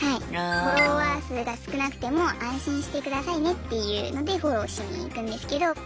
フォロワー数が少なくても安心してくださいねっていうのでフォローしに行くんですけど。